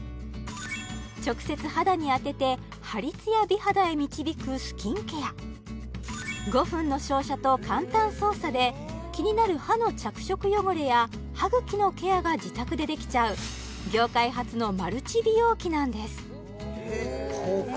直接肌に当ててハリつや美肌へ導くスキンケア５分の照射と簡単操作で気になる歯の着色汚れや歯茎のケアが自宅でできちゃう業界初のマルチ美容器なんです